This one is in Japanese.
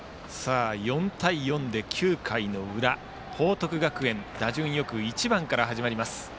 ４対４で９回の裏報徳学園、打順よく１番から始まります。